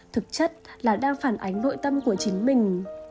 thực chất là đang phản ánh nội tâm của chính mình